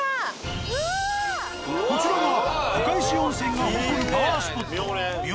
こちらが赤石温泉が誇るパワースポット